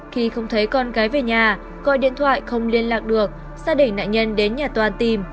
khi không thấy con gái về nhà gọi điện thoại không liên lạc được gia đình nạn nhân đến nhà toàn tìm